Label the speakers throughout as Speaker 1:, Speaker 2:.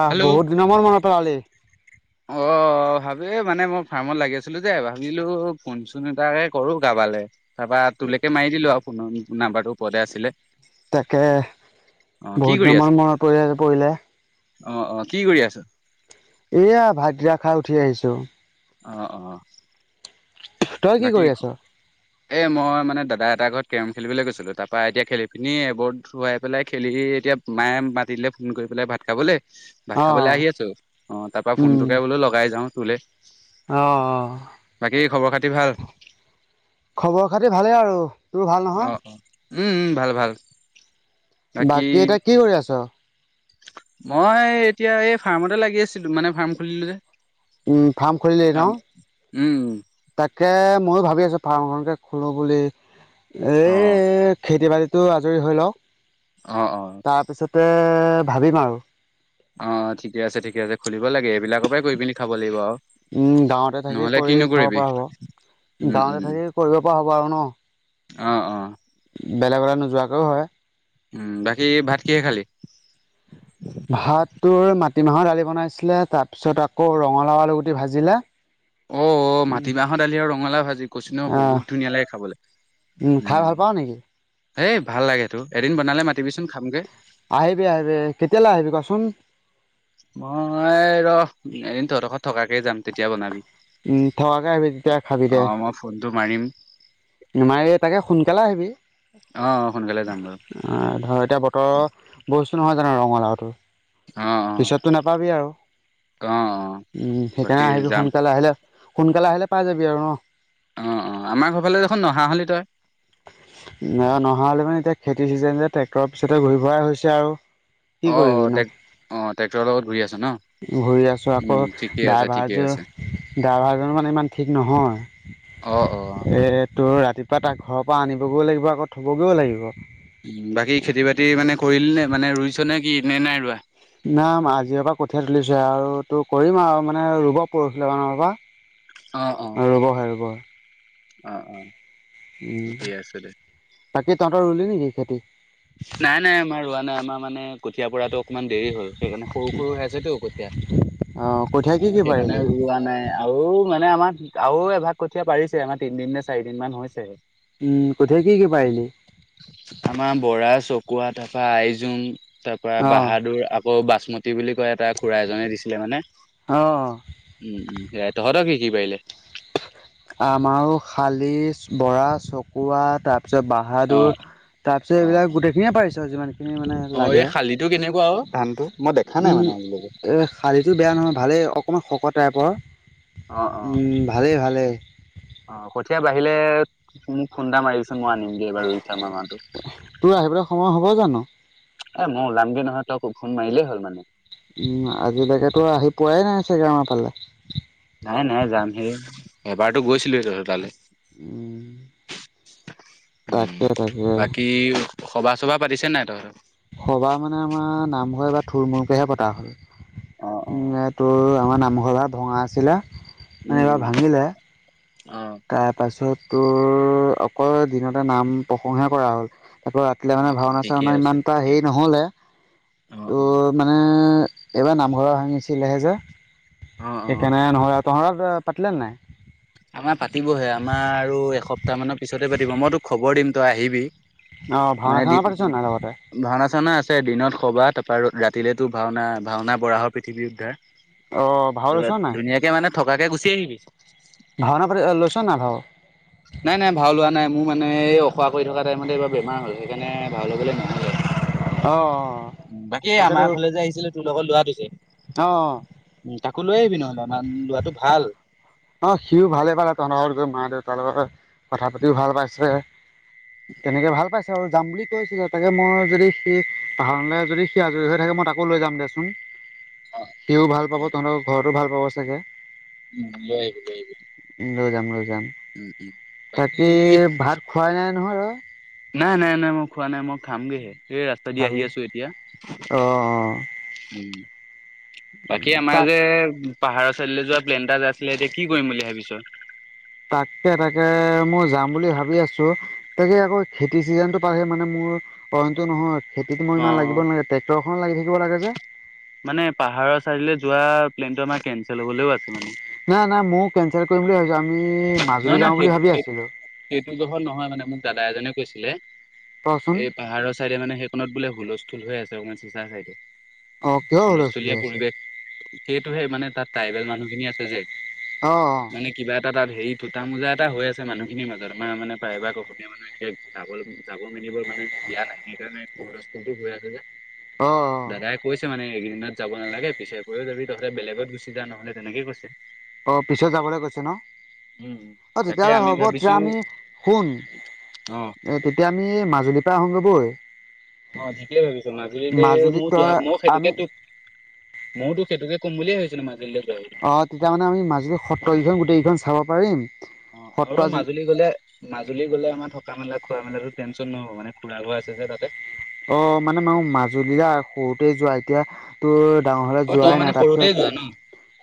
Speaker 1: আহ,
Speaker 2: হেল্ল'।
Speaker 1: বহুত দিনৰ মান মনত পেলালি
Speaker 2: অ', অ', ভাবে মানে মই ফাৰ্মত লাগি আছিলো যে ভাবিলো কোনচোন এটাকে কৰো কাৰবালৈ তাৰপা ত তোলৈকে মাৰি দিলো আৰু ফোনৰ নাম্বাৰ টো ওৰদে আছিলে
Speaker 1: তাকে
Speaker 2: অ', কি
Speaker 1: বহুত
Speaker 2: কৰি
Speaker 1: দিনৰ
Speaker 2: আছ?
Speaker 1: মান মনত পৰি পৰিলে
Speaker 2: অ', অ', কি কৰি আছো
Speaker 1: এয়া ভাতিয়া খাই উঠি আহিছো
Speaker 2: অ', অ',
Speaker 1: তই কি কৰি আছ
Speaker 2: এই মই মানে দাদা এটাৰ ঘৰত কেৰম খেলিবলৈ গৈছিলোঁ তাৰপৰা এতিয়া খেলি পিনি এবোৰ ধোৱাই পেলাই খেলি এতিয়া মায়ে মাতি দিলে ফোন কৰি পেলাই ভাত খাবলৈ
Speaker 1: অ
Speaker 2: ভাত খাবলৈ আহি আছো অ তাৰ পৰা ফোনটোকে বোলো লগাই যাও তোলৈ
Speaker 1: আহ, অ',
Speaker 2: কি খবৰ খাতি ভাল
Speaker 1: খবৰ খাতি ভালেই আৰু তোৰ ভাল নহয়
Speaker 2: অ', অ', উম, ভাল, ভাল
Speaker 1: বাকী, এতিয়া কি কৰি আছ
Speaker 2: মই এতিয়া এই ফাৰ্মতে লাগি আছিলো মানে ফাৰ্ম খুলিলো যে
Speaker 1: উম, ফাৰ্ম খুলিলে ন
Speaker 2: ফাৰ্ম উম
Speaker 1: তাকে ময়ো ভাবি আছো ফাৰ্মখনকে খোলো বুলি এ
Speaker 2: অ',
Speaker 1: খেতি বাতিতটো আজৰি হৈ লওক
Speaker 2: অ', অ',
Speaker 1: তাৰপিছতে ভাবিম আৰু
Speaker 2: অ', ঠিকে আছে ঠিকে আছে খুলিব, লাগে এইবিলাকৰ পৰাই কৰি পিনি খাব লাগিব আৰু
Speaker 1: উম, গাঁৱতে থাকি
Speaker 2: নহ'লে
Speaker 1: কৰি
Speaker 2: কিনো
Speaker 1: খাব
Speaker 2: কৰিবি
Speaker 1: পৰা হ'ব
Speaker 2: উম
Speaker 1: গাঁৱতে
Speaker 2: উম
Speaker 1: থাকি কৰিব পৰা হ'ব আৰু ন
Speaker 2: অ', অ',
Speaker 1: বেলেগলে নোযোৱাকৈও হয়
Speaker 2: উম, বাকী ভাত কিহে খালি
Speaker 1: ভাত তৰ মাটিমাহৰ দালি বনাইছিলে তাৰ পিছত আকৌ ৰঙালাও আলুগুটি ভাজিলে
Speaker 2: অ', মাটিমাহৰ দালি আৰু ৰঙালা ভাজি কছ ন
Speaker 1: আহ
Speaker 2: বহুত ধুনীয়া লাগে খাবলৈ
Speaker 1: উম, খাই ভাল পাওঁ নেকি
Speaker 2: হেই ভাল লাগেত তো এদিন বনালে মাতিবি চোন খামগে
Speaker 1: আহিবি আহিবি কেতিয়ালৈ আহিবি কচোন
Speaker 2: মই ৰ এদিন তহঁতৰকৰত থকাকেই যাম তেতিয়া বনাবি
Speaker 1: উম, থোৱাকেি তেতিয়া খাবি দে
Speaker 2: অ', মই ফোনটো মাৰিম
Speaker 1: মাৰ এই তাকে সোনকালে আহিবি অ',
Speaker 2: অ', অ সোনকালে যাম বাৰু
Speaker 1: ধৰ এতিয়া বতৰৰ বস্তু নহয় জানো ৰঙালাওতো
Speaker 2: অ', অ',
Speaker 1: পিছতটো নাপাবি আৰু
Speaker 2: অ', অ',
Speaker 1: উম
Speaker 2: বাকী
Speaker 1: সেইকাৰণে আহিবি
Speaker 2: যাম
Speaker 1: সোন কালে আহিলে সোনকালে আহিলে পাই যাবি আৰু ন
Speaker 2: অ', অ', আমাৰ ঘৰ ফালে দেখোন নহা হলি তই
Speaker 1: নহা হলি মানে এতিয়া খেতি চিজন যে ট্ৰেক্টৰৰ পিছতে ঘূৰি ফূৰাই হৈছে আৰু কি
Speaker 2: অ',
Speaker 1: কৰিবি
Speaker 2: অ' টে
Speaker 1: ন
Speaker 2: অ', ট্ৰেক্টৰৰ লগত ঘূৰি আছো ন
Speaker 1: ঘূৰি আছোঁ আকৌ
Speaker 2: উম ঠিকে আছে ঠিকে
Speaker 1: ড্ৰাইভাৰজন
Speaker 2: আছে
Speaker 1: ড্ৰাইভাৰজনো মানে ইমান ঠিক নহয়
Speaker 2: অ অ
Speaker 1: এ তোৰ ৰাতিপুৱা তাক ঘৰৰ পৰা আনিবগৈও লাগিব আকৌ থবগৈও লাগিব
Speaker 2: বাকী খেতি বাতি মানে কৰিল নে মানে ৰুইছ নে কি নে নাই ৰোৱা
Speaker 1: না আজিৰ পৰা কঠিয়াই তুলিছে আৰু তোৰ কৰিম আৰু মানে ৰুব পৰহিলৈ মানৰ
Speaker 2: অ অ
Speaker 1: পৰা ৰ'ব হে ৰব
Speaker 2: অ', অ', ঠিকেইে আছে দে
Speaker 1: তাকে তহত ৰুলি নেকি খেতি
Speaker 2: নাই, নাই আমাৰ ৰোৱা নাই আমাৰ মানে কঠিয়ীয়া পৰাতটো অকণমান দেৰি হ'ল সেইকাৰণে সৰু সৰু হৈ আছেতো কঠীয়া
Speaker 1: অ', কঠীয়া কি
Speaker 2: অ
Speaker 1: কি
Speaker 2: সেইকাৰণে
Speaker 1: পাৰিলি
Speaker 2: ৰোৱা নাই আৰু মানে আমাৰ আৰু এভাগ কঠিয়া পাৰিছে আমাৰ তিনদিন নে চাৰি দিন মান হৈছে
Speaker 1: উম কঠিয়া কি কি পাৰিলি?
Speaker 2: আমাৰ বৰা চকুৱা, থাপা, আইজোং তাৰ পৰা
Speaker 1: অ
Speaker 2: বাহাদুৰ আকৌ বাচমতি বুলি কয় এটা খুৰা এজনে দিছিলে মানে
Speaker 1: অ
Speaker 2: উম উম তহঁতৰ কি কি পাৰিলে?
Speaker 1: আমাৰো শালি, বৰা, চকুৱা তাত তাৰ পিছত বাহাদুৰ
Speaker 2: অ',
Speaker 1: তাৰ পিছত
Speaker 2: অ',
Speaker 1: এইবিলাক গোটেইখিনিয়ে পাৰিছো যিমান খিনি মানে
Speaker 2: অ',
Speaker 1: লাগে।
Speaker 2: এই শালিটো কেনেকুৱা আৰু ধানটো? মই দেখা নাই
Speaker 1: উম
Speaker 2: মানে আজিলৈকে।
Speaker 1: এ শালিতটো বেয়া নহয় ভালে অকণমান শকত টাইপৰ
Speaker 2: অ', অ',
Speaker 1: ভালেই ভালেই
Speaker 2: অ কঠীয়া বাঢ়িলে মোক ফোনটা মাৰিবি মই আনিমগে এবাৰ ৰুইছা আমাৰ
Speaker 1: তোৰ আহিবলৈ সময় হ'ব জানো?
Speaker 2: এ মই ওলামগে নহয় তোক ফোন মাৰিলেই হ'ল মানে
Speaker 1: উম আজিলৈকেতো আহি পোৱাই নাই চাগে আমাৰ ফালে
Speaker 2: নাই নাই যাম সে এবাৰতো গৈছিলোহ তহঁতৰ তালৈ।
Speaker 1: উম
Speaker 2: উম
Speaker 1: তাকে তাকে
Speaker 2: বাকী সভা- চভা পাতিছে নাই তহঁতৰ?
Speaker 1: সভা মানে আমাৰ নামঘৰ এটা থুলমুলকেহে পতা হল
Speaker 2: অ', অ',
Speaker 1: উম তোৰ আমাৰ নামঘৰ এটা ভঙা আছিলে মানে
Speaker 2: উম
Speaker 1: এইবাৰ
Speaker 2: উম,
Speaker 1: ভাঙিলে
Speaker 2: অ',
Speaker 1: তাৰপাছত তোৰ অকল দিনতে নাম প্ৰসংসা কৰা হ'ল। তাৰপৰা ৰাতিলে মানে
Speaker 2: অ', অ',
Speaker 1: ভাওনা
Speaker 2: ঠিকেই
Speaker 1: -চাওনা
Speaker 2: আছে
Speaker 1: ইমান এটা
Speaker 2: ঠিকে
Speaker 1: হেৰি
Speaker 2: আছে
Speaker 1: নহলে
Speaker 2: অ',
Speaker 1: ত' মানে এইবাৰ নামঘৰ ভাঙিছিলেহে যে
Speaker 2: অ', অ', অ'।
Speaker 1: সেইকাৰণে নহলে। তহঁতৰ পাতিলেনে নাই?
Speaker 2: না পাতিবহে আমাৰ আৰু এসপ্তাহ মানৰ পিছতে পাতিব মই তোক খবৰ দিম তই আহিবি।
Speaker 1: অ', ভাওনা
Speaker 2: মানে
Speaker 1: চাওনা পাতিছ নাই লগতে?
Speaker 2: ভাওনা -চাওনা আছে ছে দিনত সবা তাৰপৰা ৰাতিলেতো ভাওনা ভাওনা বৰাহৰ পৃথিৱী উদ্ধাৰ
Speaker 1: অ', ভাও লৈছ
Speaker 2: ত
Speaker 1: নাই?
Speaker 2: ধুনীয়াকে মানে থকাকে গুচি আহিবি।
Speaker 1: ভাওনা পাতি লৈছ নাই ভাও?
Speaker 2: নাই নাই ভাও লোৱা নাই মোৰ মানে এই অসোৱা কৰি থকা টাইমতে এইবাৰ বেমাৰ হ'ল সেইকাৰণে ভাও লবলৈ নহলে।
Speaker 1: অ
Speaker 2: বাকী
Speaker 1: তাকেতো
Speaker 2: আমাৰ ঘৰলে যে আহিছিলে তোৰ লগত লোৱাটো যে
Speaker 1: অ
Speaker 2: উম তাকো লৈ আহিবি নহ'লে ম লৰাটো ভাল।
Speaker 1: অ সিও ভালে পালে ত লগত গৈ মা দেউতাৰ লগত কথা পাতিও ভাল পাইছে, তেনেকে ভাল পাইছে আৰু যাম বুলি কৈছিলে তাকে মই যদি সি পাৰেনলৈ যদি সি আজৰি হৈ থাকে। মই তকো লৈ যাম দেচোন সিও ভাল পাব তহঁতৰ ঘৰতো ভাল পাব চাগে।
Speaker 2: লৈ আহিবি লৈ আহিবি।
Speaker 1: লৈ যাম লৈ যাম
Speaker 2: উম। বাকী
Speaker 1: তাকে ভাত খোৱাই নাই নহয় তই
Speaker 2: নাই নাই নাই মই খোৱা নাই মই খামগেহে এই ৰাস্তা দি আহি আছো এতিয়া।
Speaker 1: আহ।
Speaker 2: বাকী আমাৰ যে পাহাৰত চাৰ যোৱা প্লেন এটা যে আছিলে এতিয়া কি কৰিম বুলি ভাবিছ
Speaker 1: তাকে তাকে মই যাম বুলি ভাবি আছো তাকে আকৌ খেতি চিজনতটো পাৰে মানে মোৰ মোৰটো নহয় খেতিত মই ইমান
Speaker 2: অ
Speaker 1: লাগিব নালাগে ট্ৰেক্টৰখন লাগি থাকিব লাগে যে
Speaker 2: মানে পাহাৰৰ চাইডলৈ যোৱা প্লেনতটো আমাৰ কেনচেল হবলৈও আছে মানে
Speaker 1: নাই নাই ময় কেনচেল কৰিম বুলি ভাবিছো আমি মাজুলী যাওঁ বুলি ভাবি আছিলো
Speaker 2: গ্ৰহত নহয় মানে মোক দাদা এজনে কৈছিলে
Speaker 1: কচোন
Speaker 2: এই পাহাৰৰ চাইডে মানে সেইখনত বোলে হুলস্থুল হৈ আছে অকমান চিচা চাইদে
Speaker 1: অ কিহৰ হুলস্থুল
Speaker 2: হুলস্থলীয়া
Speaker 1: হৈ আছে
Speaker 2: পৰিৱেশ সেইটোহে মানে তাত ট্ৰাইবেল মানুহখিনিয়ি আছে যে
Speaker 1: অ
Speaker 2: এ তাত হেৰি ঠোটা মোজা এটা হৈ আছে মানুহখিনিৰ মাজত আমাৰ মানে প্ৰায় এবাক অসমীয়া মানুহ এনেক যাব যাব বাৰ মানে দিয়া নাই। সেইকাৰণে খৰটো হৈ আছে যে।
Speaker 1: অ
Speaker 2: দাদাই কৈছে মানে এইকেইদিনত যাব নালাগে, পিছে কৈও যাবি। তহতে বেলেগত গুচি যা নহ'লে তেনেকে কৈছে।
Speaker 1: অ পিছেত যাবলৈ কৈছে ন?
Speaker 2: উম,
Speaker 1: অ
Speaker 2: তাকে
Speaker 1: তেতিয়াহ'লে
Speaker 2: আমি
Speaker 1: হ'ব তেতিয়া
Speaker 2: ভাবিছো
Speaker 1: আমি, শুন
Speaker 2: অ'
Speaker 1: এ তেতিয়া আমি মাজুলীৰ পৰা আহো গৈ বল।
Speaker 2: অ ঠিকয়ে ভাবিছো। মাজুলীলৈ মোৰ
Speaker 1: তই
Speaker 2: মোক
Speaker 1: আমি
Speaker 2: সেইটোকে তোক ময় তো সেইটোকে কম বুলিয় ভাবছিল মাজুলীলে
Speaker 1: অ তেতিয়া মানে আমি মাজুলি সত্ৰকেইখন গোটেইকেইখন চাব পাৰিম,
Speaker 2: অ
Speaker 1: সত্ৰ
Speaker 2: আৰু
Speaker 1: আজি
Speaker 2: মাজুলী গলে, মাজুলী গলে আমাৰ থ থকা মেলা, খোৱা মেলাতো টেন নহব মানে। খুৰাগো আছে যে তাতে।
Speaker 1: অ মানে মান মাজুলী সৰুতে যোৱা, এতিয়া তোৰ ডাঙৰ হ'লে
Speaker 2: অ তই
Speaker 1: যোৱাই
Speaker 2: মানে
Speaker 1: নাই।
Speaker 2: সৰুতে
Speaker 1: তাৰপিছত
Speaker 2: যোৱা ন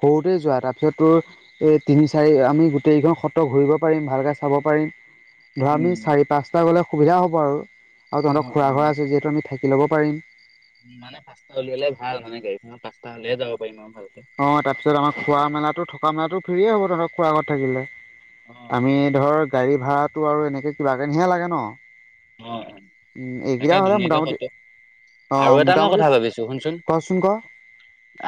Speaker 1: সৰুতেই যোৱা। তাৰপিছত তোৰ এই তিনি চাৰি আমি গোটেইকেইখন খত্ৰ ঘূৰিব পাৰিম, ভালকে চাব পাৰিম। ধৰা আমি
Speaker 2: উম
Speaker 1: চাৰি পাঁচটা গ'লে সুবিধা হ'ব আৰু
Speaker 2: অ
Speaker 1: তহঁতৰ খুৰা ঘৰ যিহেতু আমি থাকি ল'ব পাৰিম।
Speaker 2: উ। মানে পাঁচটা উলিয়াললে ভাল মানে গাড়ীখনৰ পাঁচটা হলেহে যাব পাৰিম আৰু ভালকে
Speaker 1: ফ্ৰে হ'ব ধৰক খোৱাগত থাকিলে।
Speaker 2: অ
Speaker 1: আমি ধৰক গাড়ী ভড়াটো আৰু এনেকে কিবা কিনিহে লাগে ন
Speaker 2: অ
Speaker 1: উম, এইকেইটা
Speaker 2: তাকে
Speaker 1: হ'লে
Speaker 2: ধুনীয়াকে
Speaker 1: মোটামুটি
Speaker 2: ফটো আৰু
Speaker 1: অ',
Speaker 2: এটা মই
Speaker 1: মোটামুটি
Speaker 2: কথা ভাবিছো। শুনচোন,
Speaker 1: কচোন ক।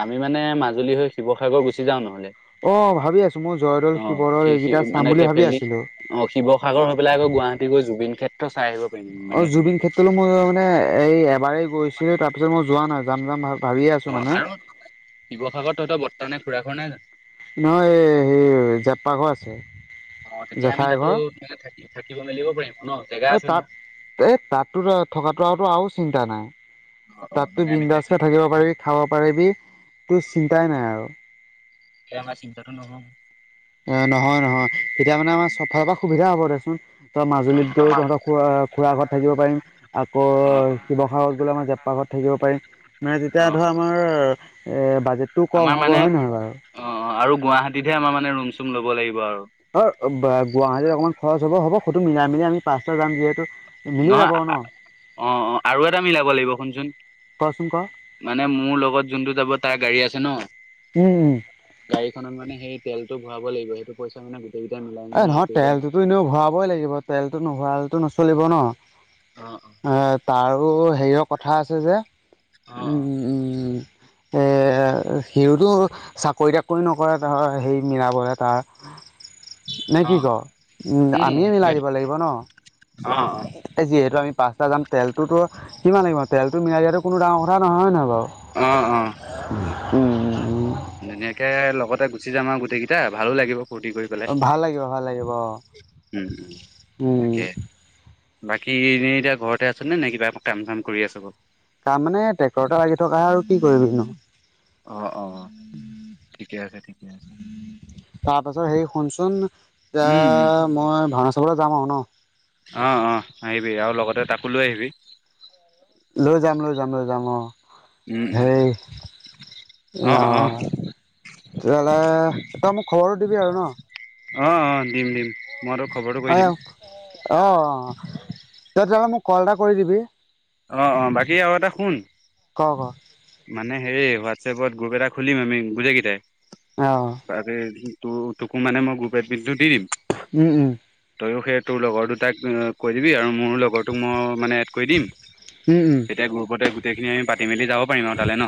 Speaker 2: আমি মানে মাজুলী হৈ শিসাগৰ গুচি যাওঁ নহলে
Speaker 1: অ', ভাবি আছোঁ মই জয়দৌল
Speaker 2: অ
Speaker 1: শিৱদৌল
Speaker 2: সে সে
Speaker 1: এইকেইটা চাম বুলি ভাবি
Speaker 2: সেফেলি।
Speaker 1: আছিলোঁ।
Speaker 2: অ শিৱসাগৰ হৈ পেলাই আকৌ গুৱাহাটী গৈ জুবিন ক্ষেত্ৰ চাই আহিব পাৰিম
Speaker 1: অ
Speaker 2: মানে
Speaker 1: জুবিন
Speaker 2: ধুনীয়াকে
Speaker 1: ক্ষেত্ৰলৈ মই মানে এই এবাৰেই গৈছিলো, তাৰ পিছত মই যোৱা নাই যাম যাম ভাল
Speaker 2: অ আৰু শিৱসাগৰত তহতৰ বৰ্তা নে খুৰা ঘৰ নাই জানো?
Speaker 1: নহ এই সে জপ্পা ঘৰ আছে।
Speaker 2: অ তেতিয়া আমি
Speaker 1: জেঠাই
Speaker 2: তাতো
Speaker 1: ঘৰ
Speaker 2: থি থাকিব মেলিব পাৰিম। ন জেগা
Speaker 1: এ
Speaker 2: আছে
Speaker 1: তাত,
Speaker 2: নহয়
Speaker 1: এ তাততো থকাটো আৰু চিন্তা নাই।
Speaker 2: অ অ
Speaker 1: তাতো
Speaker 2: মানে আমি
Speaker 1: বিন্দাস
Speaker 2: থাকি
Speaker 1: হৈ থাকিব পাৰিবি, খাব পাৰিবি। তোৰ চিন্তাই নাই আৰু
Speaker 2: [unintelligible]
Speaker 1: অ নহয় নহয় তেতিয়া মানে আমাৰ চবফালৰ পৰা সুবিধা হ'ব দেচোন। ত
Speaker 2: অ অ
Speaker 1: মাজুলীত গ'লেও তহঁতৰ খুৰা খুৰা ঘৰত থাক পাৰিম। আকৌ
Speaker 2: অ অ
Speaker 1: শিৱসাগৰত গ'লে আমাৰ জেপ্পা ঘৰত থ পাৰিম। নাই তেতিয়া
Speaker 2: অ
Speaker 1: ধৰ
Speaker 2: অ
Speaker 1: আমাৰ বাজেটো কম হ'ব। হয় নহয় বাৰু?
Speaker 2: গুৱাহাটীততে আমৰ মানে ৰূম-চুম ল'ব লাগিব আৰু।
Speaker 1: অ গুৱাহাটীত অকমান খৰচ হব হ'ব। সটো মিলাই মেলি আমি পাঁচটা যাম যিহেতু মিলি
Speaker 2: নহয়।
Speaker 1: যাব ন
Speaker 2: অ অ আৰু এটা মিলাব লাগিব শুনচোন,
Speaker 1: কচোন ক
Speaker 2: মানে মোৰ লগত যোনটো যাব তাৰ গাড়ী আছে। ন।
Speaker 1: উম উম
Speaker 2: গাড়ীখনত মানে সেই তেলতটো ভৰাব লাগিব, সেইটো পইচা মানে গ-
Speaker 1: এ নহয় তেলটোতো এনেও ভৰাবই লাগিব, তেলতো নভৰালেটো নচলিব ন!
Speaker 2: অ', অ',
Speaker 1: এ তাৰো হেৰিয়ৰ কথা আছে যে
Speaker 2: অ',
Speaker 1: উম। উম। এ সিউটো চাকৰি-তাকৰি নকৰে ধৰ সেই মিলাবহে তাৰ নে
Speaker 2: অ অ
Speaker 1: কি কও?
Speaker 2: উম,
Speaker 1: আমিয়ে মিলাই
Speaker 2: সেইটো
Speaker 1: দিব লাগিব ন,
Speaker 2: অ',
Speaker 1: এই যিহেতু আমি পাঁচটা যাম। তেলটোতো কিমান লাগিব! তেলটো মিলাই দিয়াতটো কোনো ডাঙৰ কথা নহয় নহয় বাৰু
Speaker 2: অ অ
Speaker 1: উ
Speaker 2: ধুনীয়াকে লগতে গুচি যাম আৰু গোটেই কেইটা ভালো লাগিব। ফূৰ্তি কৰি পেলাই।
Speaker 1: উম ভাল লাগিব ভাল লাগিব অ
Speaker 2: উম উম
Speaker 1: উম
Speaker 2: তাকে বাকী এনেই এতিয়া ঘৰতে আছেনে নে কিবা কাম চাম কৰি আছে?
Speaker 1: তাৰমানে ট্ৰেক্টৰতে লাগি থকাহে আৰু কি কৰে [unintelligible]
Speaker 2: অ' অ' ঠিকে আছে ঠিকে আছে।
Speaker 1: তাৰ পাছত হেৰি শুনচোন, এ
Speaker 2: উম, উম,
Speaker 1: মই ভওনা চাবলে যাম আৰু ন?
Speaker 2: অ' অ' আহিবি আৰু লগতে তাকো লৈ আহিবি।
Speaker 1: লৈ যাম লৈ যাম লৈ যাম অ'।
Speaker 2: উম, উম,
Speaker 1: হেই, অ'। তেতিয়াহ'লে তই মোক খবৰটো দিবি আৰু ন?
Speaker 2: অ' অ' দিম দিম। মই তোক খবৰটো কৰি
Speaker 1: হয়
Speaker 2: দিম।
Speaker 1: অ' অ' তই তেতিয়াহলে মোক কল এটা কৰি দিবি।
Speaker 2: অ' অ' বাকী আৰু এটা শুন,
Speaker 1: ক ক
Speaker 2: মানে হেৰি হোৱা চপৰত গ্ৰুপ এইটা খুলিম আমি গোটেইকেইটাই
Speaker 1: অ
Speaker 2: ত ত তোকো মানে মই গ্ৰুপ এডমিনটো দি দিম।
Speaker 1: উম উম।
Speaker 2: তয়ো সেই তোৰ লগৰ দুটাক কৈ দিবি আৰু মোৰো লগৰটোক মই মানে এড কৰি দিম।
Speaker 1: উম উম
Speaker 2: তেতিয়া গ্ৰুপতে গোটেই খিনি আমি পাতি মেলি যাব পাৰিম ন তালৈ ন?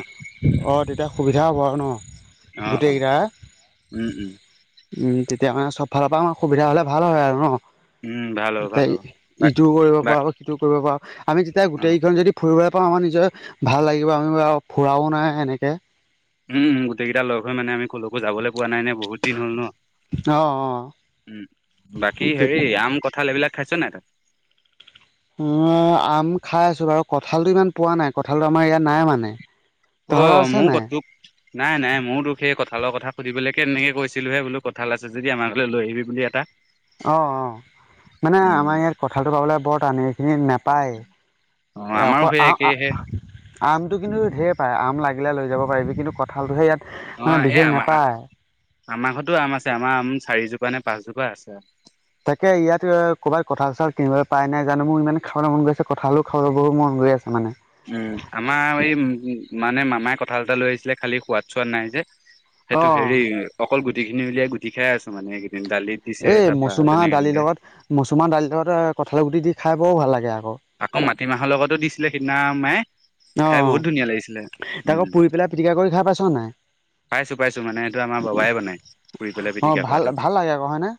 Speaker 1: অ তেতিয়া সুবিধা হ'ব আৰু ন
Speaker 2: অ' অ'।
Speaker 1: গোটেইকেইটাৰ
Speaker 2: উম উম।
Speaker 1: উম তেতিয়া মানে চব ফালৰ পৰা আমাৰ সুবিধা হ'লে ভাল হয় আৰু ন?
Speaker 2: উম ভাল হ'ব
Speaker 1: এতিয়া
Speaker 2: ভাল হ'ব বাই
Speaker 1: ইটোও কৰিব
Speaker 2: বাই
Speaker 1: পাৰ বা সিটোও কৰিব পাৰ। আমি তেতিয়া
Speaker 2: অঁ
Speaker 1: গোটেইকখন যদি ফুৰিবলৈ পাওঁ আমাৰ নিজৰ ভাল লাগিব আমি ফুৰাও নাই এনেকে।
Speaker 2: উম গোটেইকেইটা লগ হৈ মানে আমি কলৈকো যাবলে পোৱা নাই নে বহুত দিন হ'ল ন,
Speaker 1: অ অ
Speaker 2: উ বাকি হেৰি আম ক থাল এইবিলাক খাইছ নাই?
Speaker 1: অ' আম খাই আছো বাৰু কঁঠালটো ইমান পোৱা নাই কঁঠালটো আমাৰ ইয়াত নাই মানে। তহঁতৰ
Speaker 2: অ'
Speaker 1: আছে নাই
Speaker 2: [unintelligible] নাই নাই ময়ো তোক সেই কঁঠালৰ কথা সুধিবলৈকে এনেকে কৈছোলেহে বোলো কঁঠাল আছে যদি আমাৰ ঘৰলৈ আহিবি বুলি এটা।
Speaker 1: অ' অ' মানে
Speaker 2: উম
Speaker 1: আমাৰ ইয়াত কঠালটো পাবলে বৰ টানেই এইখিনি নাপায়।
Speaker 2: অ আমাৰো
Speaker 1: অকল
Speaker 2: সেই একেইহে
Speaker 1: আমটো কিন্তু ঢেৰ পায় আম লাগিলে লৈ যাব পাৰিবি কিন্তু কঁঠালটোহে ইয়াত মানে
Speaker 2: অ' এ
Speaker 1: বিশেষ
Speaker 2: আমাৰ,
Speaker 1: নাপায়
Speaker 2: আমাৰ ঘৰতো আম আছে আমাৰ আম চাৰিজোপা। পানে পাঁচজোপা আছে।
Speaker 1: তাকে ইয়াত ক'বাত কঁঠাল চঠাল কিনিবলৈ পাই নাই জানো মোৰ ইমান খাবলৈ মন গৈছে কঁঠাল গৈ আছে মানে।
Speaker 2: উম আমাৰ এই উম, মানে মামাই কঁঠাল এটা লৈ আহিছিলে খালি সোৱাদ চোৱাদ নাই যে, সেইটো
Speaker 1: অঁ
Speaker 2: হেৰি অকল গুটিখিনি উলিয়াই গুঠি খাই আছো মানে। দালিত দিছে
Speaker 1: এই
Speaker 2: তাৰপা
Speaker 1: মচুমাহৰ
Speaker 2: তেনেকে
Speaker 1: দালিৰ
Speaker 2: তেনেকে
Speaker 1: লগত, মচুমাহ দালিৰ লগত কঁঠালি গুটি দি খাই বৰ ভাল লাগে আৰু।
Speaker 2: আকৌ মাটিমাহৰ লগতো দিছিলে সিদিনা মায়ে। খাই
Speaker 1: অঁ
Speaker 2: বহুত ধুনীয়া লাগিছিলে,
Speaker 1: তাকৌ
Speaker 2: উম।
Speaker 1: পুৰি পেলাই পিটিকা কৰি খাই পাইছ নাই
Speaker 2: পাইছো পাইছো মানে এইটো আমাৰ বাবাই বনাই ফুৰি পেলাই
Speaker 1: অ
Speaker 2: পিটিকা
Speaker 1: ভাল
Speaker 2: খোৱাটো।
Speaker 1: ভাল লাগে আকৌ হয়নে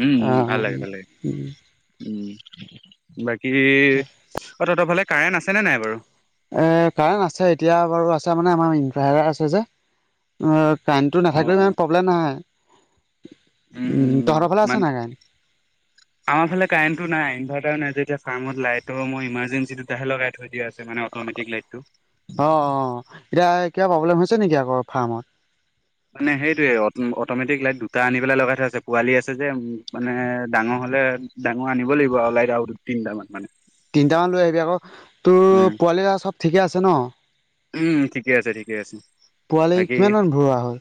Speaker 2: উম
Speaker 1: অ
Speaker 2: উম ভাল লাগে ভাল লাগে, উম। বাকী অ', তহঁতৰ ফালে কাৰেণ্ট আছেনে নাই বাৰু?
Speaker 1: এ কাৰেণ আছে এতিয়া বাৰু আছে মানে আমাৰ ইনভাৰ্টাৰ আছে যে। কাৰেণ্টটো
Speaker 2: অ
Speaker 1: নাথাকিলেও
Speaker 2: অ
Speaker 1: ইমান প্ৰব্লেম নাই।
Speaker 2: উম উম
Speaker 1: ফালে আছে
Speaker 2: মান,
Speaker 1: নাই কাৰেণ্ট
Speaker 2: আমাৰ ফালে কাৰেণ্টটো নাই ইনভাৰ্টাৰ নাই যেতিয়া কামত লাইটৰ মই ইমাৰজেঞ্চি তাহে লগাই থৈ দাছে মানে অটমেটিক লাইটটো।
Speaker 1: অ অ এতিয়া কিবা প্ৰব্লেম হৈছে নেকি আকৌ ফাৰ্মত?
Speaker 2: মানে সেইটোৱেই অট'মেটিক লাইট দুটা আনি পেলাই লগাই থৈ আছে পোৱালি আছে যে মানে ডাঙৰ হ'লে ডাঙৰ আনিব লাগিব আৰু। চলাই তিনিটাামান মানে
Speaker 1: তিনটামান লৈ আহিবি আকৌ তোৰ
Speaker 2: উম
Speaker 1: পোৱালি এটা চব ঠিকে আছে ন।
Speaker 2: উম ঠিকে আছে ঠিকে আছে।
Speaker 1: পোৱালি
Speaker 2: বাকী
Speaker 1: কিমানমান ভৰোৱা হল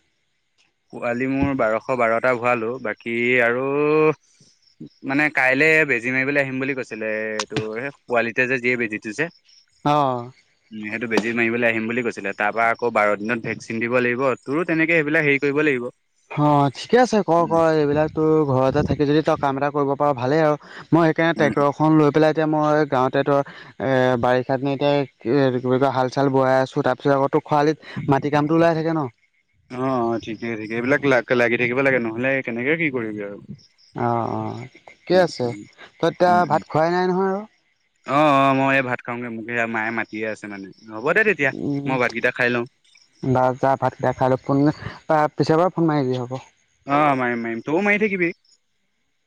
Speaker 2: পোৱালি মোৰ বাৰশ বাৰটা ভৰাালো বাকী আৰু মানে কাইলে বেজি মাৰিবলৈ আহিম বুলি কৈছিলে এইটো এই পোৱালিতে যে যিয়ে বেজীটো যে
Speaker 1: অ
Speaker 2: বেজী মাৰিবলৈ আহিম বুলি কৈছিলে তাৰ পৰাা আকৌ বাৰ দিনত ভেকচিন দিব লাগিব তোৰো তেনেকে সেইবিলাক হেৰি কৰিব লাগিব।
Speaker 1: অ ঠিকে আছে ক ক
Speaker 2: উম,
Speaker 1: এইবিলাক তোৰ ঘৰতে থাকি যদি তই কাম এটা কৰিব পাৰ ভালেই আৰু। মই সেইকানে
Speaker 2: উম,
Speaker 1: টেক্টৰ আখন লৈ পেলাই এতিয়া মই গাঁওঁতে তই এ বাৰিষা এতিয়া কয় হাল চাল বোৱাই আছো তাৰ পিছত আকৌ খৰাালিত মাটি কামটো ওলাই থাকে ন।
Speaker 2: অ অ ঠিকে ঠিকে এইবিলাক ল লাগি থাকিব লাগে নহলে কেনেকে কি কৰিবি আৰু।
Speaker 1: অ অ ঠিকে
Speaker 2: উম,
Speaker 1: আছে
Speaker 2: উম,
Speaker 1: তই এতিয়া
Speaker 2: উম,
Speaker 1: ভাত
Speaker 2: উম,
Speaker 1: খোৱাই নাই নহয় আৰু
Speaker 2: অ অ মই এই ভাত খাওঁগে মোক সেয়া মায়ে মাতিয়ে আছে মানে। হ'ব দে তেতিয়া।
Speaker 1: উ
Speaker 2: মই ভাতকেইটা খাই লওঁ
Speaker 1: বা যা ভাতকেইা খাই ল তাৰ পিছৰ পৰা ফোন মাৰিবি হ'ব।
Speaker 2: আহ মাৰিম মাৰিম তই মাৰি থাকিবি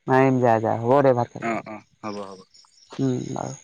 Speaker 1: মাৰিম যা যা হ'ব দে ভাত খাই
Speaker 2: অ অ। হ'ব হ'ব।
Speaker 1: উম বাৰু